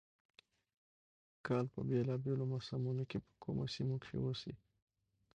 د کال په بېلا بېلو موسمونو کې په کومو سيمو کښې اوسي،